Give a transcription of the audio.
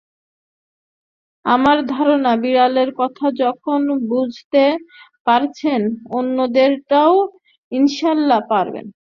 আমার ধারণা, বিড়ালের কথা যখন বুঝতে পারছেন অন্যদেরটাও ইনশাআল্লাহ পারবেন।